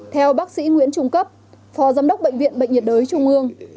theo bác sĩ nguyễn trung cấp phó giám đốc bệnh viện bệnh nhiệt đới trung ương